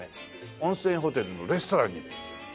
温泉ホテルのレストランにいますね。